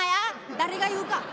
「誰が言うか。